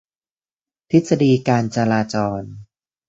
ทฤษฎีการจราจร